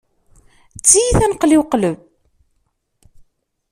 D tiyita n qli u qleb.